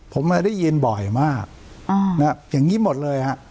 ผมได้ยินบ่อยมากอย่างนี้หมดเลยฮะ